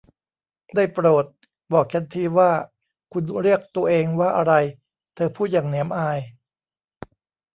ได้โปรด บอกฉันทีว่าคุณเรียกตัวเองว่าอะไร ? เธอพูดอย่างเหนียมอาย